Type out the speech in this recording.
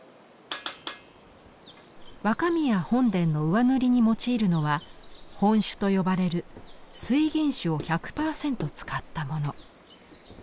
若宮本殿の上塗りに用いるのは「本朱」と呼ばれる水銀朱を１００％使ったもの。